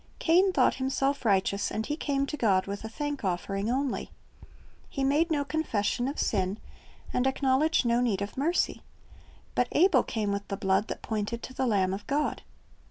Cain thought himself righteous, and he came to God with a thank offering only. He made no confession of sin, and acknowledged no need of mercy. But Abel came with the blood that pointed to the Lamb of God.